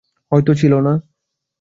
হয়তো ছিল না।